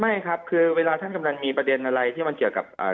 ไม่ครับคือเวลาท่านกำลังมีประเด็นอะไรที่มันเกี่ยวกับเรื่องทรัพยากร